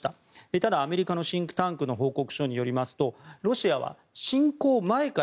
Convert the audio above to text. ただ、アメリカのシンクタンクの報告書によりますとロシアは侵攻前から